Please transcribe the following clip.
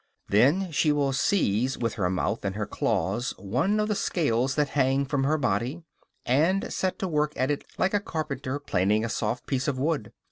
Then, she will seize with her mouth and her claws one of the scales that hang from her body, and set to work at it like a carpenter planing a soft piece of wood.